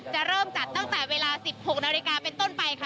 จะเริ่มจัดตั้งแต่เวลา๑๖นาฬิกาเป็นต้นไปค่ะ